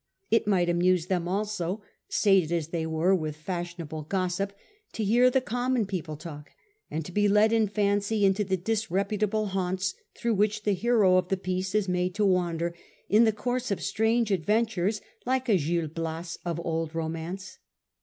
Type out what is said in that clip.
It might amuse them also, sated as they were with fashionable gossip, to hear the common people talk, and to be led in fancy into the disreputable haunts through which the hero of the piece is made to wander in the course of strange adventures, like a ' Gil Bias ' of old romance.